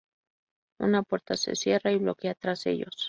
Una puerta se cierra y bloquea tras ellos.